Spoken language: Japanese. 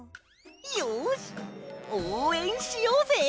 よしおうえんしようぜ！